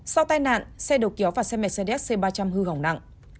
sau tai nạn xe đầu kéo và xe mercedes c ba trăm linh hư hỏng nặng